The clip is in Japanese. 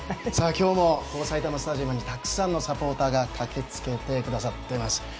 今日も埼玉スタジアムにたくさんのサポーターが駆けつけてくださってます。